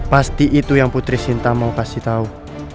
pasti itu yang putri sinta mau kasih tahu